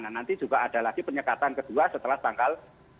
nah nanti juga ada lagi penyekatan kedua setelah tanggal